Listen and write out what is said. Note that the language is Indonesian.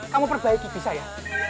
kamu perbaiki bisa ya